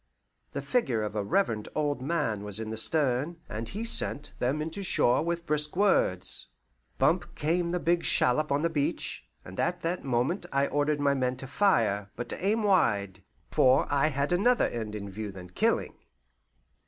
The figure of a reverend old man was in the stern, and he sent them in to shore with brisk words. Bump came the big shallop on the beach, and at that moment I ordered my men to fire, but to aim wide, for I had another end in view than killing.